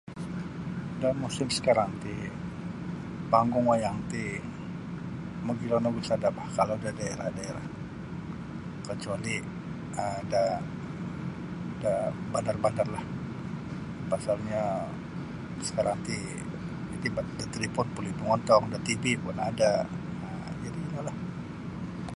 Da musim sakarang ti panggung wayang ti mogilo nogu sada' bah kalau da daerah-daerah kacuali' um da da bandar-bandarlah pasalnyo sakarang ti iti bat da talipon buli mongontong da tv pun ada' um jadi' inolah.